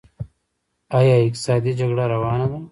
آیا اقتصادي جګړه روانه ده؟